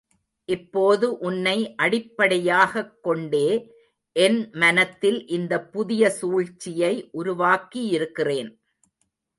இப்போது உன்னை அடிப்படையாகக் கொண்டே என் மனத்தில் இந்தப் புதிய சூழ்ச்சியை உருவாக்கியிருக்கிறேன்.